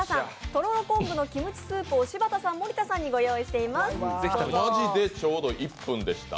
とろろ昆布のキムチスープを柴田さん、森田さんにご用意していますマジでちょうど１分でした。